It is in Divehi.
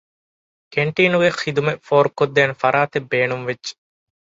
ކެންޓީނުގެ ޚިދުމަތް ފޯރުކޮށްދޭނެ ފަރާތެއް ބޭނުންވެއްޖެ